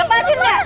eh lepasin lepasin